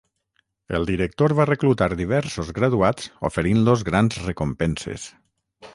El director va reclutar diversos graduats oferint-los grans recompenses.